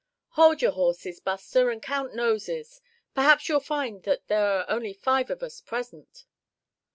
"Hold your horses, Buster, and count noses; perhaps you'll find that there are only five of us present."